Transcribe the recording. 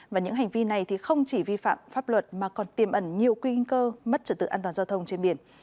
và những hành vi này không chỉ vi phạm pháp luật mà còn tiêm ẩn nhiều quy kinh cơ mất trở tự an toàn giao thông trên biển